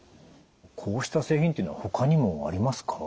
こうした製品っていうのはほかにもありますか？